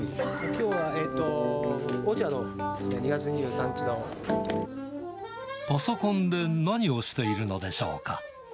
きょうは、オーチャード、パソコンで何をしているのでしょうか。